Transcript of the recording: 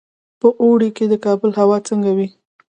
په اوړي کې د کابل هوا څنګه وي؟